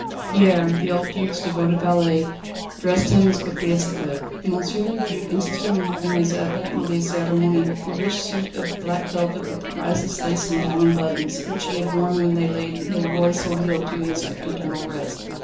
Pierre, the old Duc's devoted valet, dressed him as quickly as he could. M. le Duc insisted on having his habit de cérémonie, the rich suit of black velvet with the priceless lace and diamond buttons, which he had worn when they laid le Roi Soleil to his eternal rest.